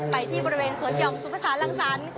ไปที่บริเวณสวนหย่องสุภาษาลังสรรค์